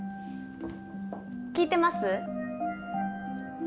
聞いてます？